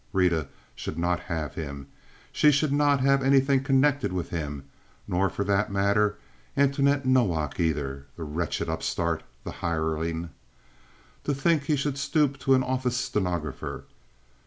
Rita should not have him; she should not have anything connected with him, nor, for that matter, Antoinette Nowak, either—the wretched upstart, the hireling. To think he should stoop to an office stenographer!